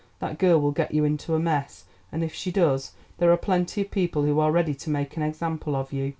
That girl will get you into a mess, and if she does there are plenty of people who are ready to make an example of you.